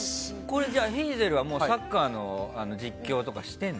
ヘイゼルはサッカーの実況とかしてるの？